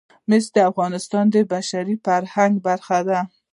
مس د افغانستان د بشري فرهنګ برخه ده.